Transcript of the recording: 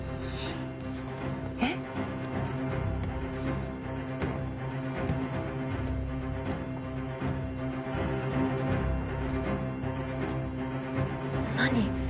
えっ？何？